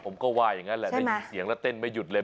ผมก็ว่าอย่างนั้นแหละได้ยินเสียงแล้วเต้นไม่หยุดเลย